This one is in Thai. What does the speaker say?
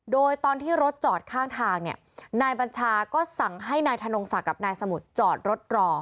โดยตอนที่รถจอดข้างทางเนี่ยนายบัญชาก็สั่งให้นายธนงศักดิ์กับนายสมุทรจอดรถรอ